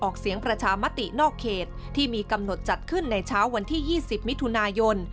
เสียงประชามตินอกเขตที่มีกำหนดจัดขึ้นในเช้าวันที่๒๐มิถุนายน